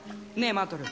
マートル